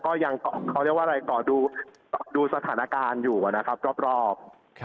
ก็ยังก่อดูสถานการณ์อยู่นะครับรอบ